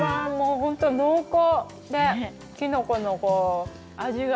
本当に濃厚、きのこの味が。